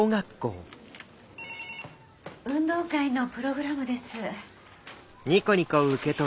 運動会のプログラムです。